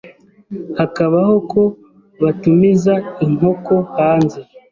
hakabaho ko batumiza inkoko hanze